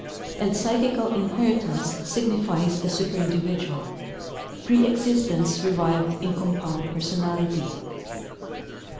And psychical inheritance signifies the super individual, pre existence revived in compound personality.